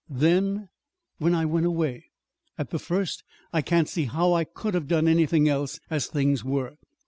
"Then?" "When I went away at the first. I can't see how I could have done anything else, as things were.